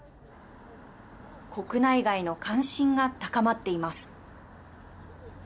国内外の関心が高まっています。